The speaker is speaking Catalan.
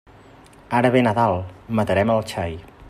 Ara ve Nadal, matarem el xai.